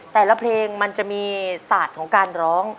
แต่ละเพลงมันจะมีศาสตร์ของการร้อง